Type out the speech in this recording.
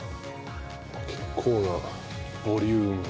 結構なボリューム。